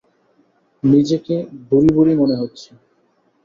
নিজেকে বুড়ি-বুড়ি মনে হচ্ছে।